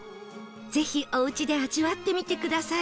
ぜひおうちで味わってみてください